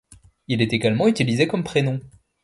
Il est également utilisé comme prénom.